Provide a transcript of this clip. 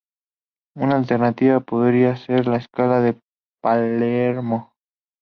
Una alternativa podría ser la escala de Palermo.